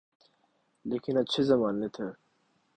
لیکن اچھے زمانے تھے۔